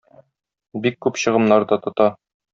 Бик күп чыгымнар да тота.